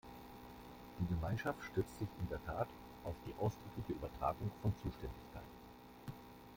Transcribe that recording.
Die Gemeinschaft stützt sich in der Tat auf die ausdrückliche Übertragung von Zuständigkeiten.